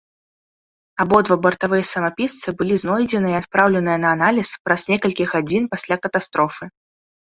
Абодва бартавыя самапісцы былі знойдзеныя і адпраўленыя на аналіз праз некалькі гадзін пасля катастрофы.